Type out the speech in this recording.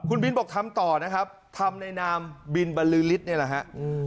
คุณบินบอกทำต่อนะครับทำในนามบินบรรลือฤทธิ์นี่แหละฮะ